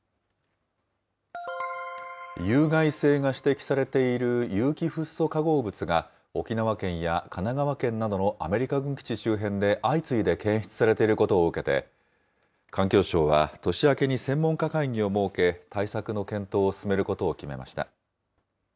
有害性が指摘されている有機フッ素化合物が、沖縄県や神奈川県などのアメリカ軍基地周辺で相次いで検出されていることを受けて、環境省は年明けに専門家会議を設け、対策の検討を進めることを決めました。